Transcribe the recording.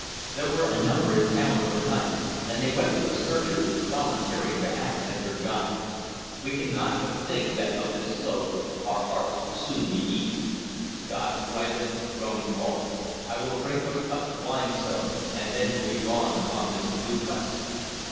There were a number in town overnight, and they went with the searchers, volunteering to act as their guides. We cannot but think that of this load, our hearts will soon be eased." "God grant it!" groaned Rolfe. "I will drink but a cup of wine, sir, and then will be gone upon this new quest."